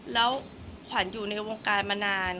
แล้วขวัญอยู่ในวงการมานาน